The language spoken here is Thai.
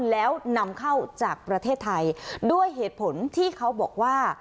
แล้วนำเข้าจากประเทศไทยด้วยเหตุผลที่เขาบอกว่า